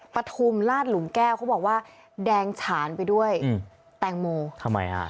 ปฐุมลาดหลุมแก้วเขาบอกว่าแดงฉานไปด้วยอืมแตงโมทำไมฮะ